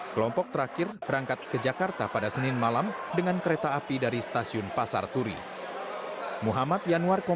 kelompok terakhir berangkat ke jakarta pada senin malam dengan kereta api dari stasiunnya